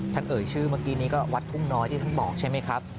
เอ่ยชื่อเมื่อกี้นี้ก็วัดทุ่งน้อยที่ท่านบอกใช่ไหมครับ